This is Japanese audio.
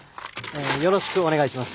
よろしくお願いします。